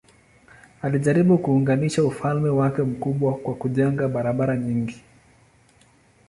Alijaribu kuunganisha ufalme wake mkubwa kwa kujenga barabara nyingi.